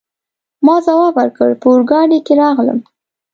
ما ځواب ورکړ: په اورګاډي کي راغلم.